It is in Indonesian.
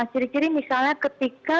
ciri ciri misalnya ketika